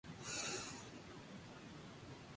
El tratamiento es completamente sintomático.